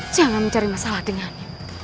jangan mencari masalah dengan dia